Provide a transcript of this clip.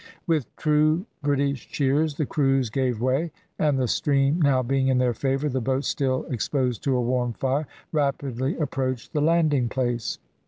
With true British cheers the crews gave way, and the stream now being in their favour, the boats, still exposed to a warm fire, rapidly approached the landing place.